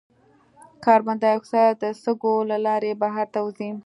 کاربن ډای اکساید د سږو له لارې بهر ته وځي.